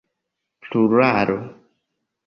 pluralo